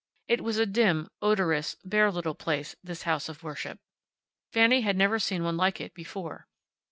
It was a dim, odorous, bare little place, this house of worship. Fanny had never seen one like it before.